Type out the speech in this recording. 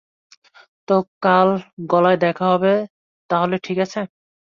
তো, কাল গালায় দেখা হবে তাহলে, ঠিক আছে?